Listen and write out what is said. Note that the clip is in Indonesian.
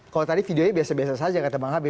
kalau tadi videonya biasa biasa saja kata bang habib